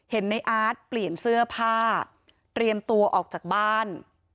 ในอาร์ตเปลี่ยนเสื้อผ้าเตรียมตัวออกจากบ้าน